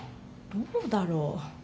どうだろう。